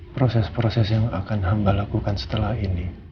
proses proses yang akan hamba lakukan kami